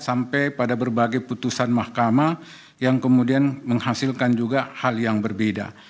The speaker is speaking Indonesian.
sampai pada berbagai putusan mahkamah yang kemudian menghasilkan juga hal yang berbeda